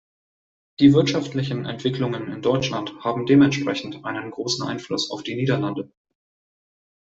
Die wirtschaftlichen Entwicklungen in Deutschland haben dementsprechend einen großen Einfluss auf die Niederlande.